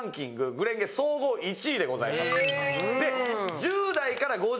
『紅蓮華』総合１位でございます。